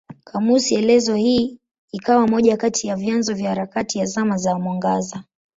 Kamusi elezo hii ikawa moja kati ya vyanzo vya harakati ya Zama za Mwangaza.